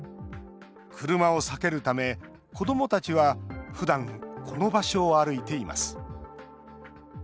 車を避けるため子どもたちは、ふだんこの場所を歩いています。